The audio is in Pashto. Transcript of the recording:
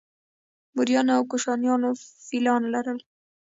موریانو او کوشانیانو فیلان لرل